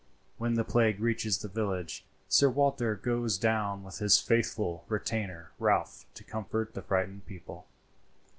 When the plague reaches the village, Sir Walter goes down with his faithful retainer Ralph to comfort the frightened people.